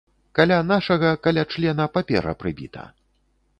Каля нашага, каля члена, папера прыбіта.